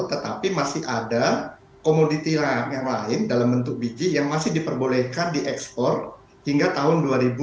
tetapi masih ada komoditim yang lain dalam bentuk biji yang masih diperbolehkan diekspor hingga tahun dua ribu dua puluh